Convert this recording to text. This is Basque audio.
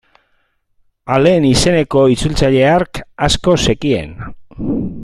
Alain izeneko itzultzaile hark asko zekien.